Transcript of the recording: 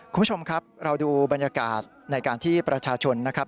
คุณผู้ชมครับเราดูบรรยากาศในการที่ประชาชนนะครับ